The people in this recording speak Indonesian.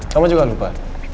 kamu juga lupa